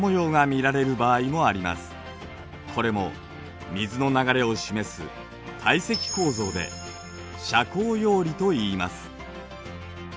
これも水の流れを示す堆積構造で斜交葉理といいます。